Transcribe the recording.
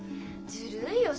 ずるいよ